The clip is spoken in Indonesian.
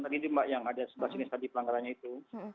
tadi itu mbak yang ada di sebelah sini tadi pelanggarannya itu